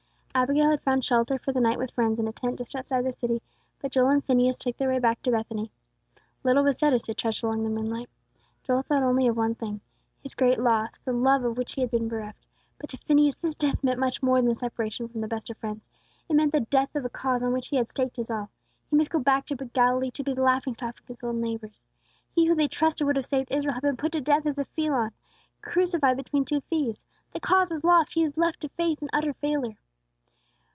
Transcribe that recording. Abigail had found shelter for the night with friends, in a tent just outside the city; but Joel and Phineas took their way back to Bethany. Little was said as they trudged along in the moonlight. Joel thought only of one thing, his great loss, the love of which he had been bereft. But to Phineas this death meant much more than the separation from the best of friends; it meant the death of a cause on which he had staked his all. He must go back to Galilee to be the laughing stock of his old neighbors. He who they trusted would have saved Israel had been put to death as a felon, crucified between two thieves! The cause was lost; he was left to face an utter failure.